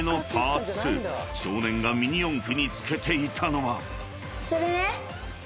［少年がミニ四駆に付けていたのは］